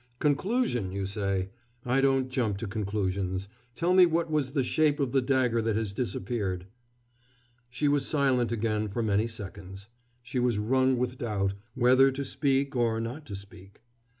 Conclusion, you say! I don't jump to conclusions. Tell me what was the shape of the dagger that has disappeared." She was silent again for many seconds. She was wrung with doubt, whether to speak or not to speak.